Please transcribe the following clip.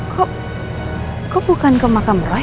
kok kok bukan ke makam roy